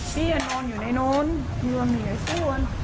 พี่นอนอยู่ในนู้นหลวงเหนื่อยสู้น